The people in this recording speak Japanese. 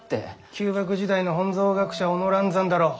旧幕時代の本草学者小野蘭山だろ？